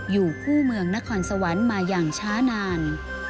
อยู่คู่เมืองนครสวรรค์มาอย่างช้านาน